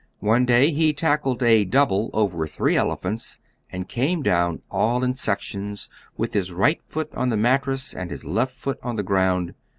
One day he tackled a double over three elephants, and came down all in sections, with his right foot on the mattress and his left foot on the ground.